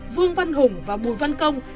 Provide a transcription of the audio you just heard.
vương văn hùng và bùi văn công